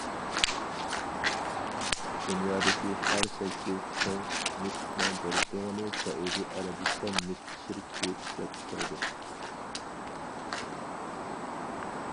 دۇنيادىكى ھەر سەككىز تۇڭ نېفىتنىڭ بىر تۇڭىنى سەئۇدى ئەرەبىستان نېفىت شىركىتى ئىشلەپ چىقىرىدۇ.